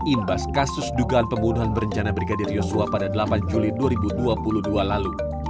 imbas kasus dugaan pembunuhan berencana brigadir yosua pada delapan juli dua ribu dua puluh dua lalu